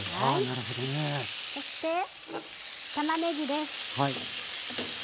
そしてたまねぎです。